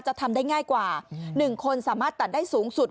ทำได้ง่ายกว่า๑คนสามารถตัดได้สูงสุด